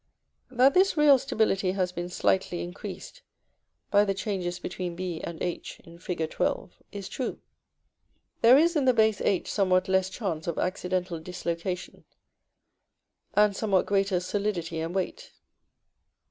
That this real stability has been slightly increased by the changes between b and h, in Fig. XII., is true. There is in the base h somewhat less chance of accidental dislocation, and somewhat greater solidity and weight.